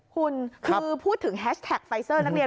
คุณคือพูดถึงแฮชแท็กไฟเซอร์นักเรียน